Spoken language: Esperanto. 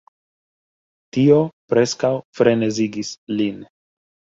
Tio preskaŭ frenezigis lin.